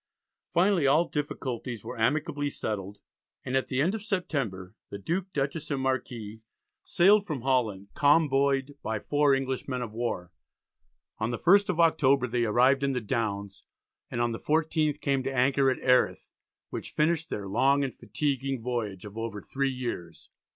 Finally all difficulties were amicably settled, and at the end of September the Duke, Dutchess, and Marquis sailed from Holland, convoyed by four English men of war. On the 1st of October they arrived in the Downs, and on the 14th came to an anchor at Erith, which finished their "long and fatiguing voyage" of over three years.